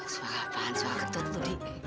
suara apaan suara kentut tuh dik